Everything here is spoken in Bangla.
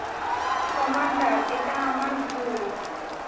কমান্ডার, এটা আমার ভুল।